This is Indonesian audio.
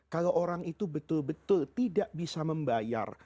kalau orang itu betul betul tidak bisa membayar